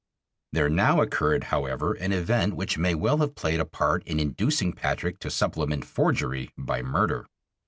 There now occurred, however, an event which may well have played a part in inducing Patrick to supplement forgery by murder.